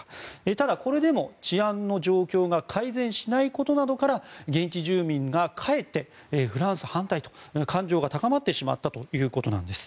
ただ、これでも治安の状況が改善しないことなどから現地住民がかえってフランス反対と感情が高まってしまったということなんです。